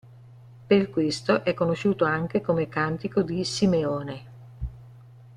Per questo è conosciuto anche come Cantico di Simeone.